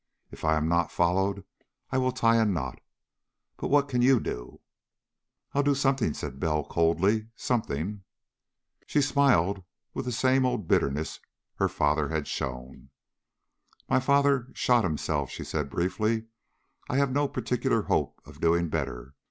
If I am not followed, I will tie a knot. But what can you do?" "I'll do something," said Bell coldly. "Something!" She smiled, with the same odd bitterness her father had shown. "My father shot himself," she said briefly. "I have no particular hope of doing better.